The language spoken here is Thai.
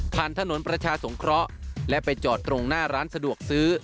ผ่านถนนประชาสงขและไปจอดตรงหน้าร้านสะดวกซื้อ